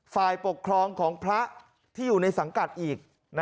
ฝ่ายปกครองของพระที่อยู่ในสังกัดอีก